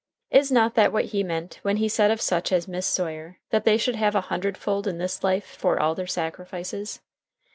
Is not that what He meant when he said of such as Miss Sawyer that they should have a hundred fold in this life for all their sacrifices?